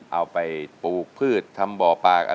เอาไปปลูกพืชทำบ่อปากอะไร